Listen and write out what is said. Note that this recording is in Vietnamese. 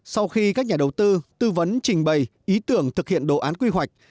sau khi các nhà đầu tư tư vấn trình bày ý tưởng thực hiện đồ án quy hoạch